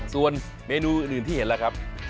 ส่วนเมนูอื่นที่เห็นแล้วครับ